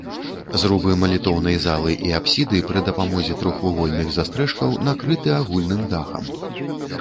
Зрубы малітоўнай залы і апсіды пры дапамозе трохвугольных застрэшкаў накрыты агульным дахам.